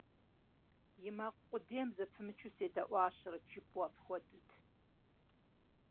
И макъ къудейм зэпымычу седэӀуащэрэт жыпӀэу апхуэдэт.